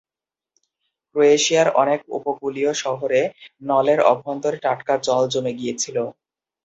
ক্রোয়েশিয়ার অনেক উপকূলীয় শহরে নলের অভ্যন্তরে টাটকা জল জমে গিয়েছিল।